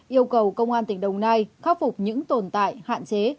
yêu cầu công an tỉnh đồng nai khắc phục những tồn tại hạn chế